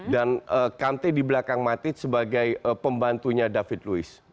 dan kante di belakang matij sebagai pembantunya david luiz